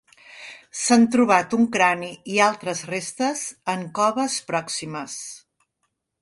S'han trobat un crani i altres restes en coves pròximes.